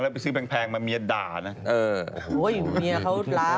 แล้วไปซื้อแพงแล้วเมียด่าน่ะ